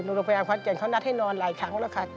โรงพยาบาลขอนแก่นเขานัดให้นอนหลายครั้งแล้วค่ะ